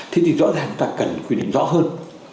thế thì rõ ràng chúng ta cần quy định rõ hơn